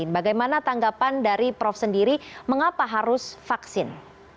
bagaimana tanggapan dari prof sendiri mengapa harus vaksin